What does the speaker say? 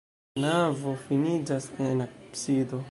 La navo finiĝas en absido.